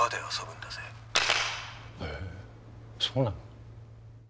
へえそうなの？